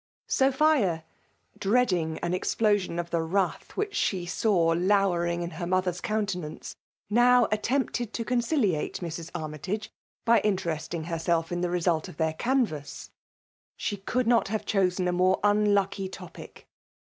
Sophia, dreading an explosion of the wrath which she saw lowering in her mother's coun tenance, now attempted to conciliate Mrs. Ar mytage by interesting herself in the result of their canvass. She could not have chosen a more unlucky topic